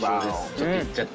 ちょっといっちゃって。